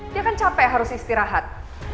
dia kan capek harus istirahat